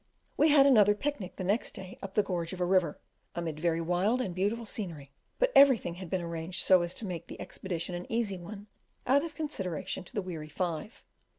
We had another picnic the next day up the gorge of a river, amid very wild and beautiful scenery; but everything had been arranged so as to make the expedition an easy one, out of consideration to the weary five.